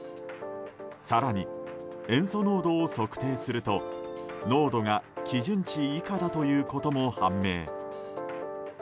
更に、塩素濃度を測定すると濃度が基準値以下だということも判明。